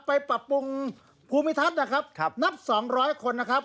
ไปปรับภูมิทัศน์นะครับครับ